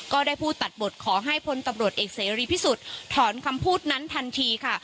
ก็ได้ผู้ตัดบทขอให้พลตำรวจเอกเสรีพิสุทธิ์ถอนคำพูดนั้นทันทีค่ะ